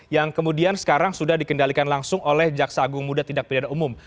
yang kemudian sekarang sudah dikendalikan langsung oleh jaksa agung muda tindak pidana umum